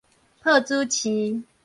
朴子市